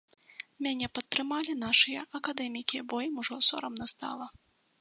Мяне падтрымалі нашыя акадэмікі, бо ім ужо сорамна стала.